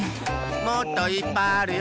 もっといっぱいあるよ！